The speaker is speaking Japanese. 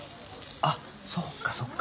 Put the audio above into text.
あっそっかそっか。